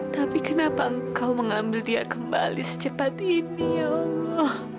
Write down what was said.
tapi kenapa engkau mengambil dia kembali secepat ini ya allah